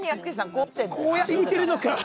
こうやって見えてるのか。